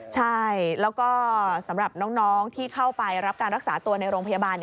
ใช่แล้วก็สำหรับน้องที่เข้าไปรับการรักษาตัวในโรงพยาบาล